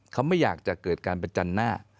เขาไม่อยากจะเกิดการประจันหน้า